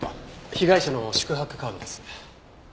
被害者の宿泊カードです。